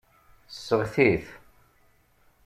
Seɣti-t.